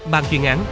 bàn chuyên án